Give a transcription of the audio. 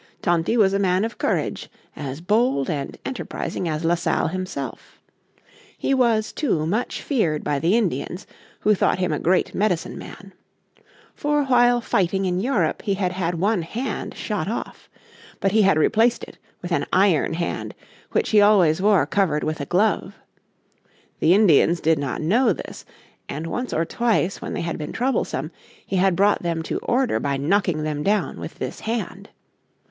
Tonty was a man of courage, as bold and enterprising as La Salle himself. He was, too, much feared by the Indians, who thought him a great Medicine Man. For while fighting in Europe he had had one hand shot off. But he had replaced it with an iron hand, which he always wore covered with a glove. The Indians did not know this, and once or twice when they had been troublesome he had brought them to order by knocking them down with this hand.